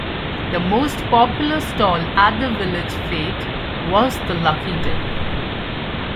The most popular stall at the village fete was the lucky dip